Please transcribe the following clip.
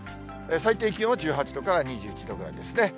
最低気温は１８度から２１度ぐらいですね。